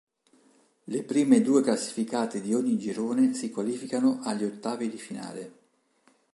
Le prime due classificate di ogni girone si qualificano agli Ottavi di finale.